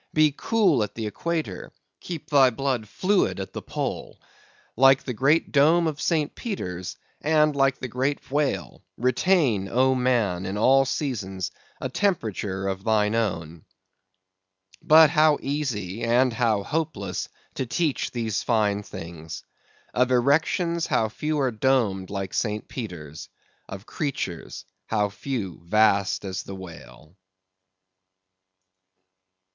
Be cool at the equator; keep thy blood fluid at the Pole. Like the great dome of St. Peter's, and like the great whale, retain, O man! in all seasons a temperature of thine own. But how easy and how hopeless to teach these fine things! Of erections, how few are domed like St. Peter's! of creatures, how few vast as the whale!